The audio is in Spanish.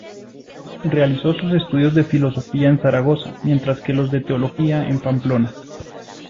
Realizó sus estudios de Filosofía en Zaragoza, mientras que los de Teología en Pamplona.